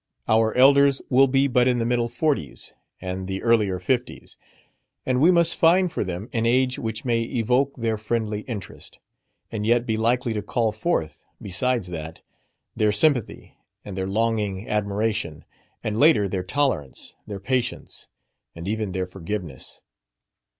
Our elders will be but in the middle forties and the earlier fifties; and we must find for them an age which may evoke their friendly interest, and yet be likely to call forth, besides that, their sympathy and their longing admiration, and later their tolerance, their patience, and even their forgiveness.